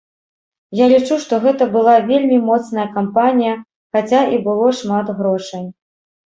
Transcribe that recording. Я лічу, што гэта была вельмі моцная кампанія, хаця і было шмат грошай.